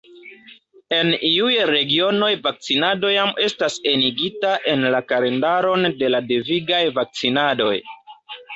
En iuj regionoj vakcinado jam estas enigita en la kalendaron de la devigaj vakcinadoj.